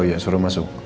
uya suruh masuk